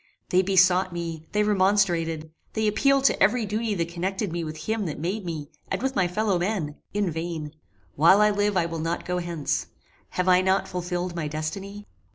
They besought me they remonstrated they appealed to every duty that connected me with him that made me, and with my fellow men in vain. While I live I will not go hence. Have I not fulfilled my destiny?